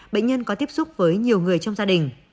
bệnh nhân có tiếp xúc với nhiều người trong gia đình